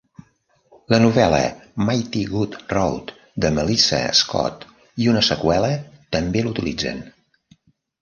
La novel·la "Mighty Good Road" de Melissa Scott i una seqüela també l'utilitzen.